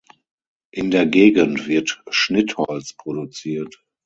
In der Gegend wird Schnittholz produziert.